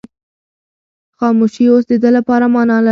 خاموشي اوس د ده لپاره مانا لرله.